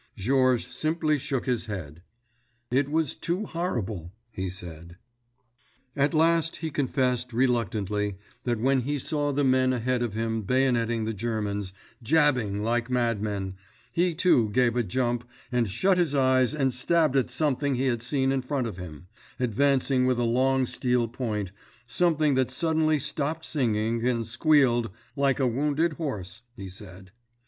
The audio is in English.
Georges simply shook his head. "It was too horrible," he said. At last he confessed reluctantly that when he saw the men ahead of him bayoneting the Germans, jabbing like madmen, he too gave a jump, and shut his eyes and stabbed at something he had seen in front of him, advancing with a long steel point—something that suddenly stopped singing, and squealed "like a wounded horse," he said.